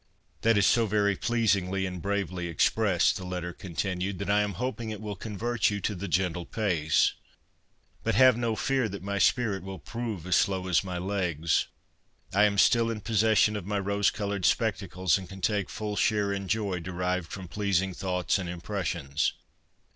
' That is so very pleasingly and bravely expressed,' the letter continued, ' that I am hoping it will convert you to " the gentle pace." But have no fear that my spirit will prove as slow as my legs. I WITH NATURE II9 am still in possession of my rose coloured spectacles, and can take full share in joy derived from pleasing thoughts and impressions.'